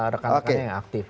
rekan rekannya yang aktif